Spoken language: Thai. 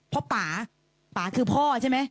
เพราะป่าป่าคือพ่อใช่ไหม